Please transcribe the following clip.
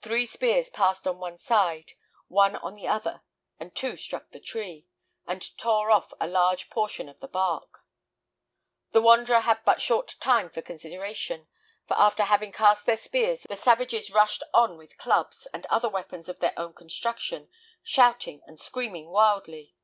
Three spears passed on one side, one on the other, and two struck the tree, and tore off a large portion of the bark. The wanderer had but short time for consideration; for after having cast their spears, the savages rushed on with clubs, and other weapons of their own construction, shouting and screaming wildly.